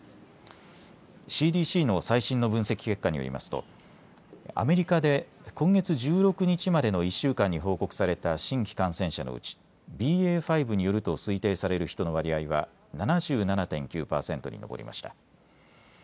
ＣＤＣの最新の分析結果によりますとアメリカで今月１６日までの１週間に報告された新規感染者のうちＢＡ．５によると推定される人の割合は７７．９％に上りました。